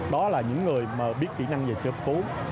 đó là những người biết kỹ năng về sơ cấp cứu